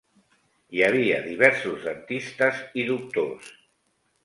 Hi havia diversos dentistes i doctors.